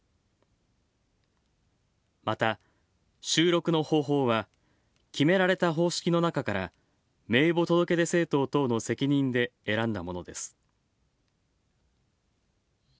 また、収録の方法は決められた方式の中から名簿届出政党等の責任で選んだものです。